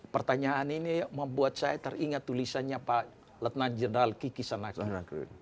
pertanyaan ini membuat saya teringat tulisannya pak letna jendral kiki sanakir